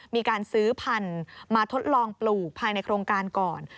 มีการซื้อพันธุ์มาทดลองปลูกภายในโครงการก่อน